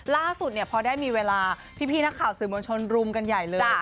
ล่าสุดเนี่ยพอได้มีเวลาพี่นักข่าวสื่อมวลชนรุมกันใหญ่เลย